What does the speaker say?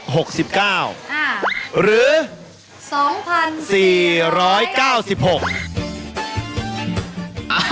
หรือ